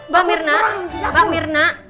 pak mirna pak mirna